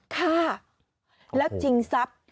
ฆ่าแล้วชิงทรัพย์